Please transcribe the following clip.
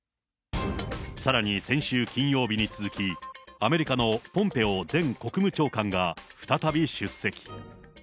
さらに先週金曜日に続き、アメリカのポンペオ前国務長官が再び出席。